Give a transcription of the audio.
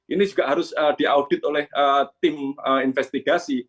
ini juga harus diaudit oleh tim investigasi